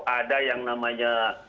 ada yang namanya